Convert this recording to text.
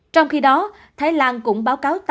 trong khi đó thái lan cũng báo cáo